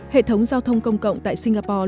hệ thống giao thông công cộng tại singapore